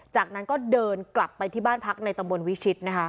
จากนั้นก็เดินกลับไปที่บ้านพักในตำบลวิชิตนะคะ